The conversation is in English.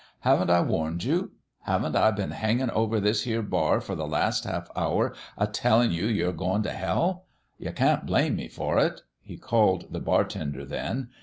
Haven't I warned you ? Eh ? Haven't I been hangin' over this here bar for the last half hour a tellin' you you're goin' t' hell? You can't blame me for it.' He called the bartender, then.